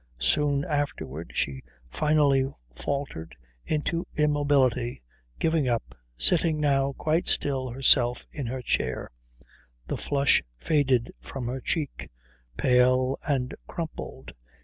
Soon afterwards she finally faltered into immobility, giving up, sitting now quite still herself in her chair, the flush faded from her cheek, pale and crumpled.